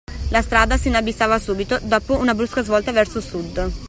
La strada si inabissava subito, dopo una brusca svolta verso Sud.